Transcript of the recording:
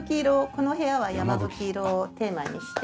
この部屋は山吹色をテーマにして。